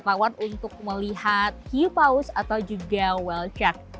mereka menawarkan saya untuk melihat hiupaus atau juga whale shark